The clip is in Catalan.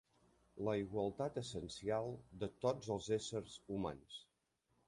La igualtat essencial de tots els éssers humans.